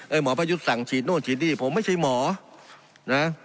หมอประยุทธ์สั่งฉีดโน่นฉีดนี่ผมไม่ใช่หมอนะ